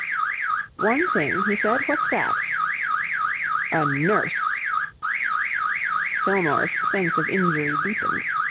"One thing?" he said. "What's that?" "A nurse." Fillmore's sense of injury deepened.